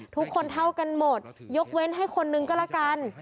ทุกคนเท่ากันหมดยกเว้นให้คนนึงก็แล้วกัน